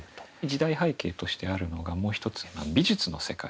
時代背景としてあるのがもう一つ美術の世界ですね。